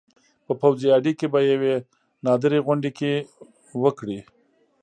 په پوځي اډې کې په یوې نادرې غونډې کې وکړې